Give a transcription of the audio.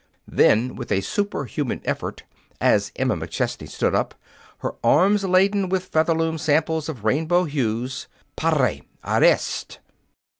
Then, with a superhuman effort, as Emma McChesney stood up, her arms laden with Featherloom samples of rainbow hues, "PARE! Ar r r rest!"